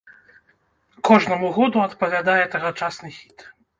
Кожнаму году адпавядае тагачасны хіт.